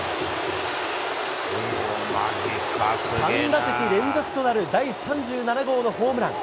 ３打席連続となる第３７号のホームラン。